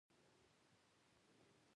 د میا مصطفی لمسی وو.